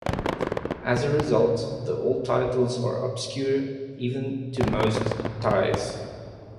As a result, the old titles are obscure even to most Thais.